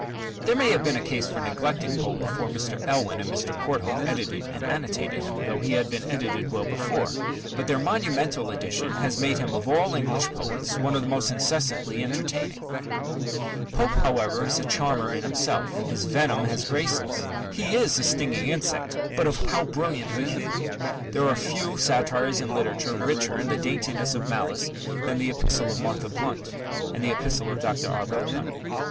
There may have been a case for neglecting Pope before Mr. Elwin and Mr. Courthope edited and annotated him though he had been edited well before but their monumental edition has made him of all English poets one of the most incessantly entertaining. Pope, however, is a charmer in himself. His venom has graces. He is a stinging insect, but of how brilliant a hue! There are few satires in literature richer in the daintiness of malice than the Epistle to Martha Blount and the Epistle to Dr. Arbuthnot.